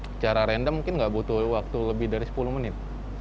secara random mungkin nggak butuh waktu lebih dari sepuluh menit